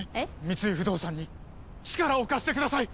三井不動産に力を貸してください！